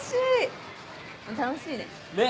楽しいね。ね！